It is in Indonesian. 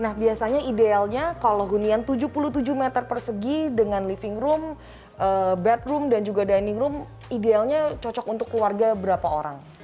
nah biasanya idealnya kalau hunian tujuh puluh tujuh meter persegi dengan living room bed room dan juga dining room idealnya cocok untuk keluarga berapa orang